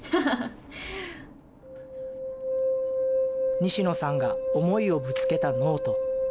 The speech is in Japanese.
西野さんが思いをぶつけたノート。